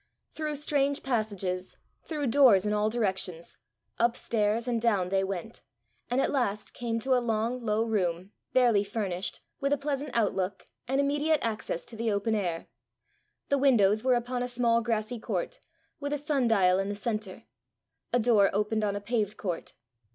Through strange passages, through doors in all directions, up stairs and down they went, and at last came to a long, low room, barely furnished, with a pleasant outlook, and immediate access to the open air. The windows were upon a small grassy court, with a sundial in the centre; a door opened on a paved court.